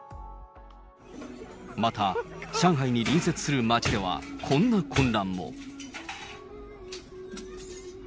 また上海に隣接する街では、こんな混乱も。